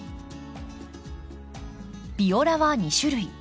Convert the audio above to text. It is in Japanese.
ビオラは２種類。